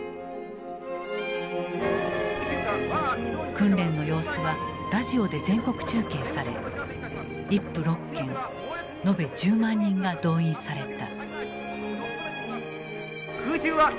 訓練の様子はラジオで全国中継され１府６県延べ１０万人が動員された。